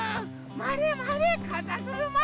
まわれまわれかざぐるま。